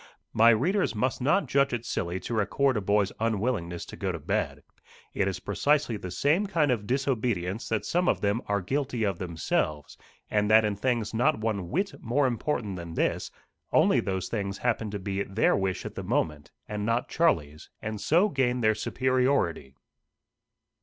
My readers must not judge it silly to record a boy's unwillingness to go to bed. It is precisely the same kind of disobedience that some of them are guilty of themselves, and that in things not one whit more important than this, only those things happen to be their wish at the moment, and not Charlie's, and so gain their superiority.